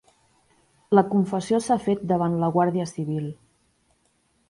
La confessió s'ha fet davant la Guàrdia Civil